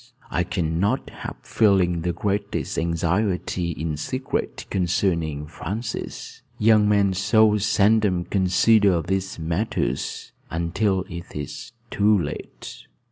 I cannot help feeling the greatest anxiety in secret concerning Francis. Young men so seldom consider these matters until it is too late."